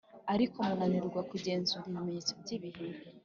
ariko munanirwa kugenzura ibimenyetso by’ibihe.